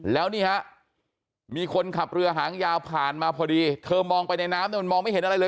แล้วนี่ฮะมีคนขับเรือหางยาวผ่านมาพอดีเธอมองไปในน้ำเนี่ยมันมองไม่เห็นอะไรเลย